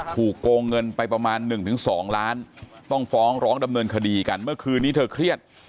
โกงเงินไปประมาณ๑๒ล้านต้องฟ้องร้องดำเนินคดีกันเมื่อคืนนี้เธอเครียด